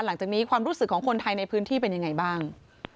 หลังจากนี้ความรู้สึกของคนไทยในพื้นที่เป็นยังไงบ้าง